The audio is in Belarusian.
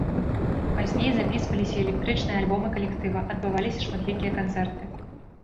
Пазней запісваліся электрычныя альбомы калектыва, адбываліся шматлікія канцэрты.